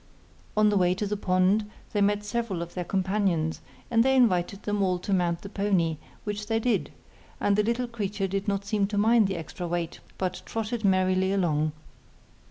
On the way to the pond they met several of their companions, and they invited them all to mount the pony, which they did, and the little creature did not seem to mind the extra weight, but trotted merrily along.